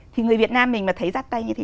thì người việt nam mình mà thấy giác tay như thế